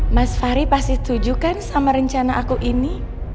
mas fahri pasti setuju kan sama rencana aku ini